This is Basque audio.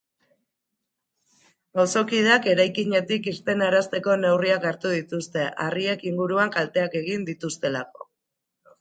Auzokideak eraikinetik irtenarazteko neurriak hartu dituzte, harriek inguruan kalteak egin dituztelako.